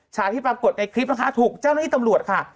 ฉากที่ปรากฏในคลิปนะคะถูกเจ้าหน้าที่ตำรวจค่ะ